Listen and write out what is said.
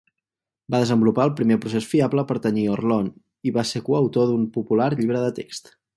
Va desenvolupar el primer procés fiable per tenyir Orlon i va ser coautor d'un popular llibre de text.